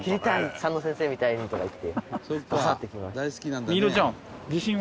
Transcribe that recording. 佐野先生みたいに」とか言ってバサッて切りました。